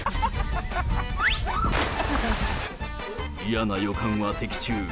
嫌な予感は的中。